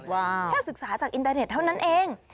แค่ศึกษาจากอินเตอร์เน็ตเท่านั้นเอง